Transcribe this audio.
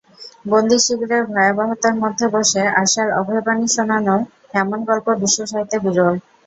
বন্দিশিবিরের ভয়াবহতার মধ্যে বসে আশার অভয়বাণী শোনানোর এমন গল্প বিশ্বসাহিত্যে বিরল।